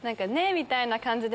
みたいな感じで。